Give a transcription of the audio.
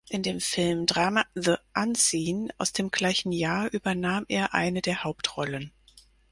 In dem Filmdrama "The Unseen" aus dem gleichen Jahr übernahm er eine der Hauptrollen.